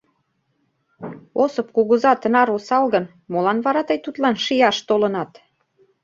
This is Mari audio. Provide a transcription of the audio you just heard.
— Осып кугыза тынар осал гын, молан вара тый тудлан шияш толынат?